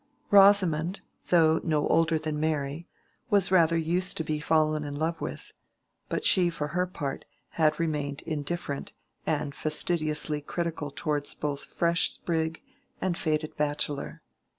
Rosamond, though no older than Mary, was rather used to being fallen in love with; but she, for her part, had remained indifferent and fastidiously critical towards both fresh sprig and faded bachelor.